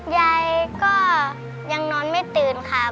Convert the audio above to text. ยายก็ยังนอนไม่ตื่นค่ะ